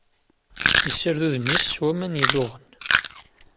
Yessared udem-is s waman iluɣen.